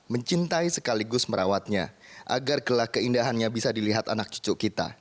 mencintai sekaligus merawatnya agar kelak keindahannya bisa dilihat anak cucu kita